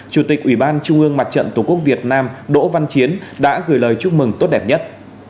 chủ tịch ủy ban trung ương mặt trận tổ quốc việt nam đỗ văn chiến đã gửi lời chúc mừng tốt đẹp nhất